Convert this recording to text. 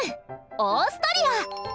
オーストリア！